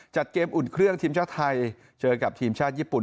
เกมอุ่นเครื่องทีมชาติไทยเจอกับทีมชาติญี่ปุ่น